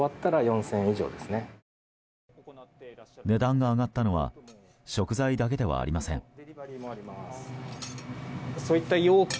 値段が上がったのは食材だけではありません。